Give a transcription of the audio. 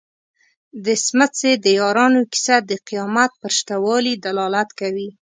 د څمڅې د یارانو کيسه د قيامت پر شته والي دلالت کوي.